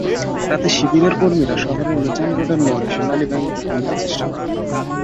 রাতে শিবিরের কর্মীরা শহরের মিজান রোডের মোড়ে সোনালী ব্যাংকে হামলার চেষ্টা করেন।